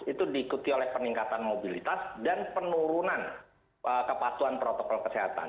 itu diikuti oleh peningkatan mobilitas dan penurunan kepatuhan protokol kesehatan